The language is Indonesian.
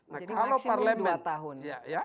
jadi maksimum dua tahun